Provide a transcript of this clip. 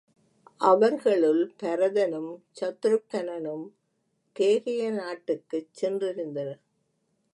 அவர்களுள் பரதனும் சத்துருக்கனனும் கேகய நாட்டுக்குச் சென்றிருந்தனர்.